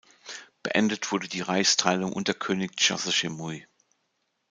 Beendet wurde die Reichsteilung unter König Chasechemui.